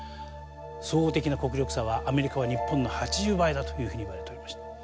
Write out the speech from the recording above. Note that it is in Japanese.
総合的な国力差はアメリカは日本の８０倍だというふうにいわれておりました。